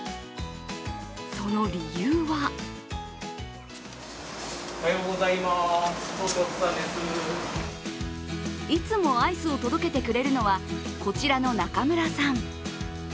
その理由はいつもアイスを届けてくれるのは、こちらの中村さん。